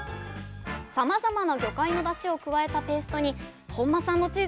さまざまな魚介のだしを加えたペーストに本間さんのチーズを加えます